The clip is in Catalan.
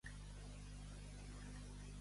Burro de tragí.